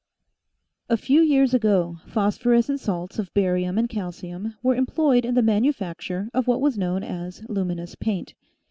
A few years ago phosphorescent salts of barium and calcium were employed in the manufacture of what was known as luminous paint.